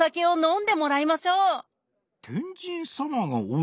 ん。